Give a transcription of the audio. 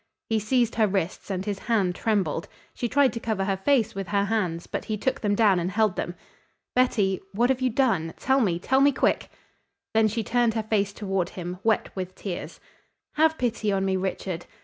He seized her wrists and his hand trembled. She tried to cover her face with her hands, but he took them down and held them. "Betty, what have you done? Tell me tell me quick." Then she turned her face toward him, wet with tears. "Have pity on me, Richard.